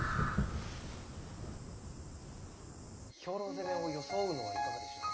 兵糧攻めを装うのはいかがでしょうか。